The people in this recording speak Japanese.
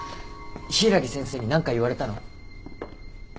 柊木先生に何か言われたの？